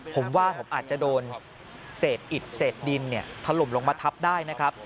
ผมว่าผมอาจจะโดนเศษอิดเศษดินถล่มลงมาทับได้นะครับ